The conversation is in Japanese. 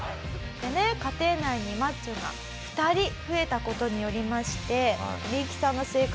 でね家庭内にマッチョが２人増えた事によりましてミユキさんの生活